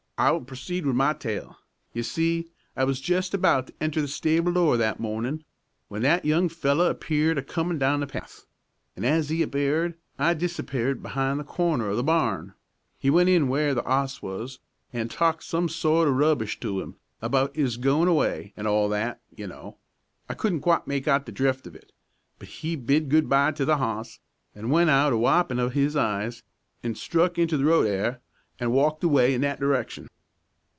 I will proceed with my tale. You see I was jest about to enter the stable door that mornin' w'en that young feller appeared a comin' down the path, and as 'e appeared I disappeared be'ind the corner o' the barn. He went in w'ere the 'oss was, an' talked some sort o' rubbish to 'im about 'is goin' away an' all that, you know. I couldn't quite make out the drift of it. But 'e bid good by to the 'oss, an' went out a wipin' of 'is eyes, an' struck into the road 'ere, an' walked away in that direction."